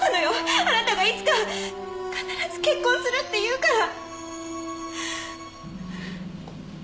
あなたがいつか必ず結婚するって言うから